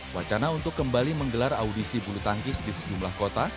wacana untuk kembali menggelar audisi bulu tangkis di sejumlah kota